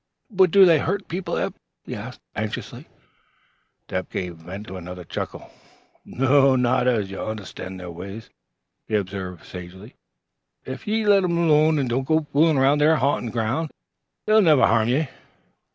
"But do they hurt people, Eph?" he asked anxiously. Eph gave vent to another chuckle. "Not if ye understan' the'r ways," he observed sagely. "If ye let 'em alone an' don't go foolin' aroun' the'r ha'ntin' groun' they'll never harm ye.